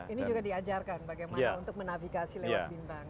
ini juga diajarkan bagaimana untuk menafigasi lewat bintang